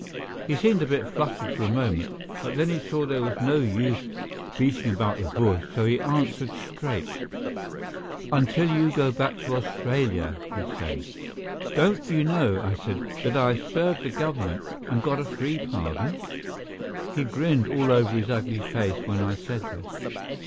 He seemed a bit flustered for a moment, but then he saw there was no use beating about the bush, so he answered straight: "Until you go back to Australia," he said. "Don't you know," I said, "that I have served the government and got a free pardon?" He grinned all over his ugly face when I said this.